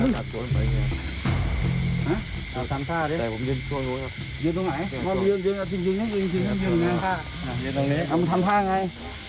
ยืนตรงไหนยืนค่ะยืนตรงนี้มาทำทางไง